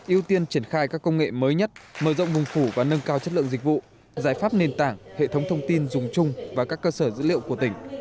ưu tiên triển khai các công nghệ mới nhất mở rộng vùng phủ và nâng cao chất lượng dịch vụ giải pháp nền tảng hệ thống thông tin dùng chung và các cơ sở dữ liệu của tỉnh